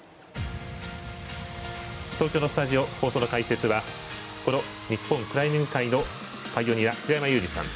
東京のスタジオ放送の解説はこの日本クライミング界のパイオニア平山ユージさん